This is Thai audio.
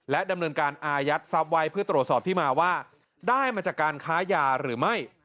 ดำเนินการอายัดทรัพย์ไว้เพื่อตรวจสอบที่มาว่าได้มาจากการค้ายาหรือไม่